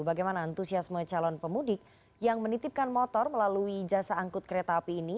bagaimana antusiasme calon pemudik yang menitipkan motor melalui jasa angkut kereta api ini